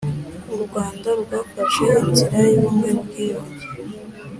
u Rwanda rwafashe inzira y’ubumwe n’ubwiyunge